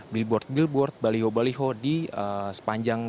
billboard billboard baliho baliho di sepanjang